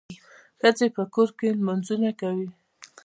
ښځي په کور کي لمونځونه کوي.